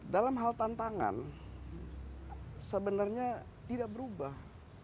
dalam hal tantangan sebenarnya tidak berubah